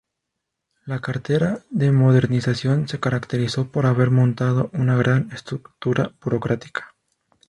La cartera de Modernización se caracterizó por haber montado una gran estructura burocrática.